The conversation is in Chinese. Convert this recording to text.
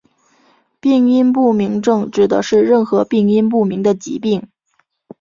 病因不明症指的是任何病因不明的疾病。